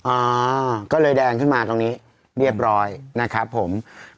อ่าก็เลยแดงขึ้นมาตรงนี้เรียบร้อยนะครับผม